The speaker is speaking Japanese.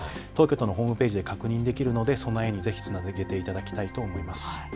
東京都のホームページで確認できるので備えにぜひつなげていただきたいと思います。